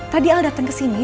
tadi al dateng kesini